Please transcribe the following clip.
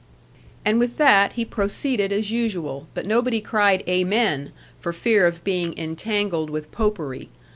And with that he proceeded as usual; but nobody cried 'Amen,' for fear of being entangled with Popery.